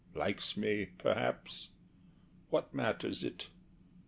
Likes me, perhaps. What matters it?